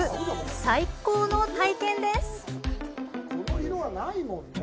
最高の体験です。